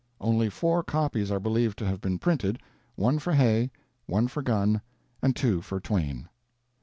Only four copies are believed to have been printed, one for Hay, one for Gunn, and two for Twain.